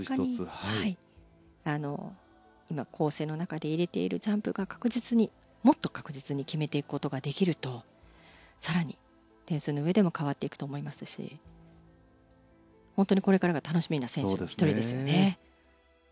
構成の中で入れているジャンプがもっと確実に決めていくことができると更に点数のうえでも変わっていくと思いますし本当に、これからが楽しみな選手の１人ですね。